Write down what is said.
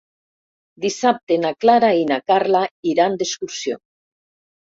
Dissabte na Clara i na Carla iran d'excursió.